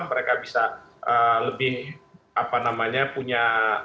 mereka bisa lebih punya